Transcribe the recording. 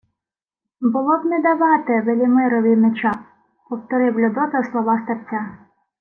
— «Було б не давати Велімирові меча!» — повторив Людота слова старця.